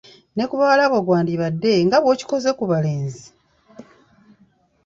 Ne ku bawala bwe gwalibadde nga bw'okikoze ku balenzi!